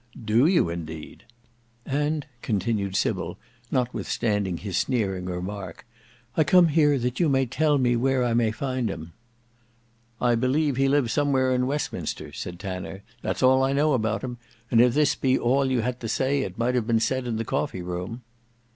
"Do you indeed!" "And," continued Sybil notwithstanding his sneering remark, "I come here that you may tell me where I may find him." "I believe he lives somewhere in Westminster," said Tanner, "that's all I know about him; and if this be all you had to say it might have been said in the coffee room."